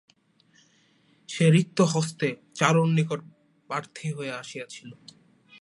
সে রিক্তহস্তে চারুর নিকটে প্রার্থী হইয়া আসিয়াছিল।